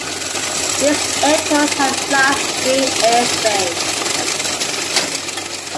These airports have Class D airspace.